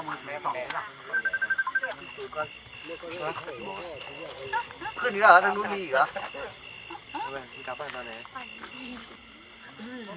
มันประทับหน่อยอย่างนี้